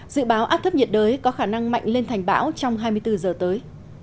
dự báo áp thấp nhiệt đới có khả năng mạnh lên thành bão trong hai mươi bốn giờ tới